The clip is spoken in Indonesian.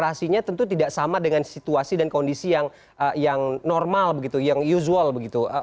tapi tentu tidak sama dengan situasi kondisi yang normal yang usual begitu